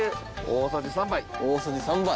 大さじ３杯。